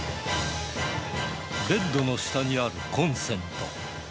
ベッドの下にあるコンセント。